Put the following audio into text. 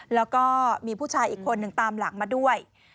แล้วก็มีผู้ชายอีกคนหนึ่งตามหลังมาด้วย